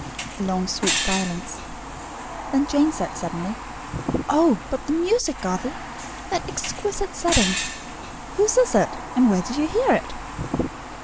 '" A long sweet silence. Then Jane said, suddenly: "Oh, but the music, Garthie! That exquisite setting. Whose is it? And where did you hear it?"